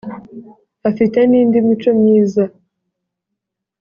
afite nindi mico myiza.